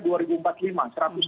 seratus tahun dari sekarang